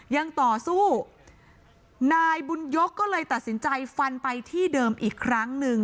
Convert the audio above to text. ยังต่อสู้นายบุญยกก็เลยตัดสินใจฟันไปที่เดิมอีกครั้งหนึ่ง